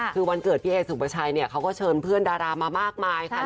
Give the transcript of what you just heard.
คือวันเกิดพี่เอสุประชัยเนี่ยเขาก็เชิญเพื่อนดารามามากมายค่ะ